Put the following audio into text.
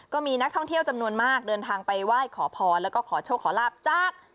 ก็มีนักท่องเที่ยวจำนวนมากเดินทางไปไหว้ขอพรแล้วก็ขอโชคขอลาบจาก